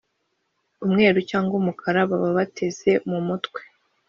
umweru cyangwa umukara baba bateze mu mutwe,